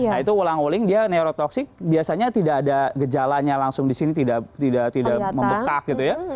nah itu ulang uling dia neurotoksik biasanya tidak ada gejalanya langsung di sini tidak membekak gitu ya